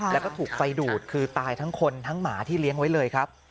แล้วก็ถูกไฟดูดคือตายทั้งคนทั้งหมาที่เลี้ยงไว้เลยครับ